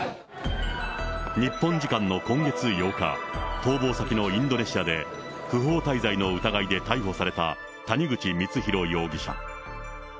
日本時間の今月８日、逃亡先のインドネシアで、不法滞在の疑いで逮捕された谷口光弘容疑者。